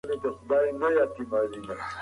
جوس هم د فري شوګر سرچینه ده.